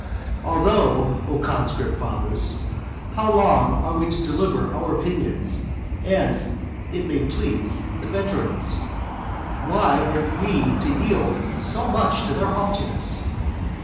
Although, O conscript fathers, how long are we to deliver our opinions as it may please the veterans? why are we to yield so much to their haughtiness?